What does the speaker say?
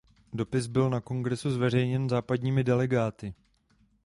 Dopis byl na kongresu zveřejněn západními delegáty.